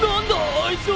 あいつは。